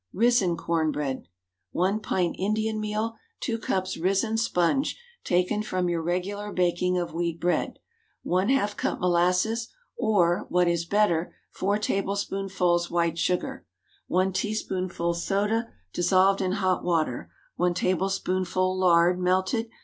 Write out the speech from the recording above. RISEN CORN BREAD. 1 pint Indian meal. 2 cups risen sponge, taken from your regular baking of wheat bread. ½ cup molasses, or, what is better, 4 tablespoonfuls white sugar. 1 teaspoonful soda, dissolved in hot water. 1 tablespoonful lard, melted.